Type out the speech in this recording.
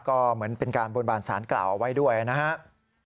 ก็เหมือนเป็นการบนบานสารกล่าวเอาไว้ด้วยนะครับ